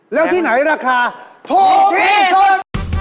แล้วที่ไหนราคาถูกที่สุด